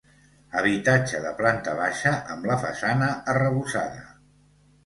Habitatge de planta baixa amb la façana arrebossada.